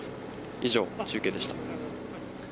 以上、中継でした。